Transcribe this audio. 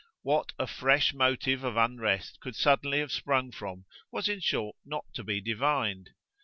What a fresh motive of unrest could suddenly have sprung from was in short not to be divined.